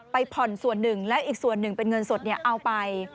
ผ่อนส่วนหนึ่งและอีกส่วนหนึ่งเป็นเงินสดเอาไป